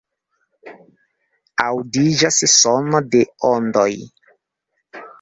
Aŭdiĝas sono de ondoj.